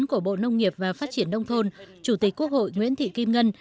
của bộ nông nghiệp và phát triển nông thôn chủ tịch quốc hội nguyễn thị kim ngân